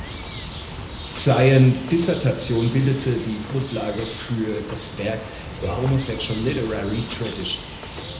Seien Dissertation bildete die Grundlage für das Werk "The Homosexual Literary Tradition".